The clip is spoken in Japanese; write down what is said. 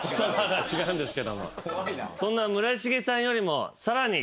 そんな村重さんよりも。